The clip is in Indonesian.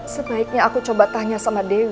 sebaiknya aku coba tanya sama dewi